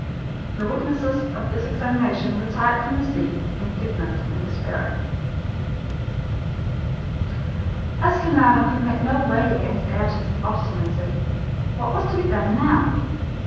The witnesses of this examination retired from the scene indignant and despairing. As Glenarvan could make no way against Ayrton's obstinacy, what was to be done now?